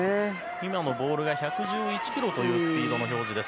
今のボールが１１１キロという球速の表示。